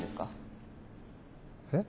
えっ？